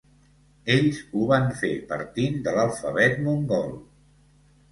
Ells ho van fer partint de l'alfabet mongol.